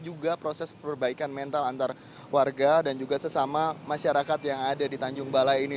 juga proses perbaikan mental antar warga dan juga sesama masyarakat yang ada di tanjung balai ini